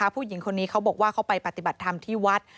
ผู้หญิงคนนี้เขาบอกว่าเขาไปปฏิบัติธรรมที่วัด